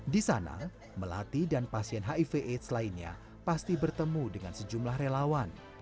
di sana melati dan pasien hiv aids lainnya pasti bertemu dengan sejumlah relawan